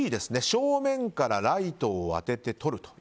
正面からライトを当てて撮る。